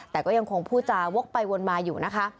แต่ก็ยังคงพูดจาวกไปวนมาอยู่นะคะ